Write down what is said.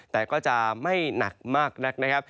แต่ก็จะไม่หนักมาก